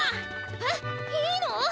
えっいいの？